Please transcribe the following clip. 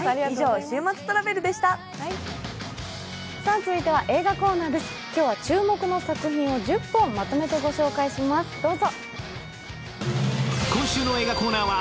続いては、映画コーナーです今日は注目の作品を１０本まとめてご紹介します、どうぞ。